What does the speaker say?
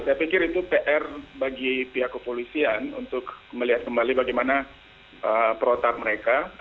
saya pikir itu pr bagi pihak kepolisian untuk melihat kembali bagaimana protap mereka